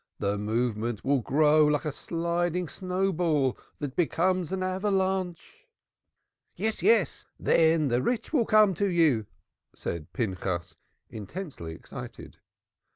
The movement will grow like a sliding snow ball that becomes an avalanche." "Yes, then the rich will come to you," said Pinchas, intensely excited.